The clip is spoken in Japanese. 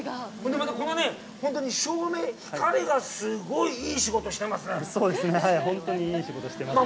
また、この照明、光がすごいいい仕事をしていますね。